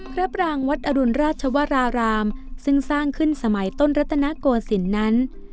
ปรางวัดอรุณราชวรารามซึ่งสร้างขึ้นสมัยต้นรัตนโกศิลป์นั้น